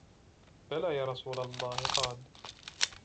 بَلَى يَا رَسُولَ اللَّهِ قَالَ